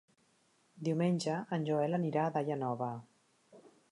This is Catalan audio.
Diumenge en Joel anirà a Daia Nova.